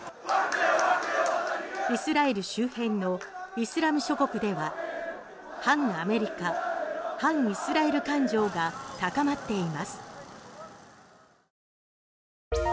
イスラエル周辺のイスラム諸国では反アメリカ、反イスラエル感情が高まっています。